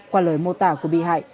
qua lời mô tả của bị hại